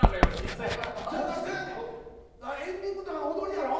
エンディングとかの踊りやろ？